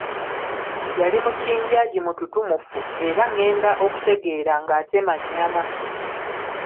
Yali mukinjaagi mututumufu era ng’enda okutegeera ng’atema nnyama.